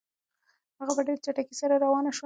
هغه په ډېرې چټکۍ سره روانه شوه.